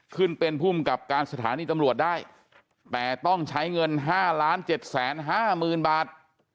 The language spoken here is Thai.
ขึ้นเป็นภูมิกับการสถานีตำรวจได้แต่ต้องใช้เงินห้าล้านเจ็ดแสนห้ามื้อนบาท